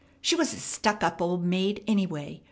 She was a stuck up old maid, anyway.